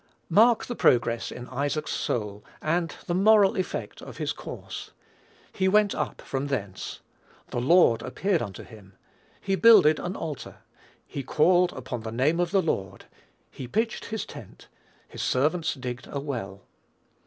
Mark the progress in Isaac's soul, and the moral effect of his course. "He went up from thence," "the Lord appeared unto him," "he builded an altar," "he called upon the name of the Lord," "he pitched his tent," "his servants digged a well."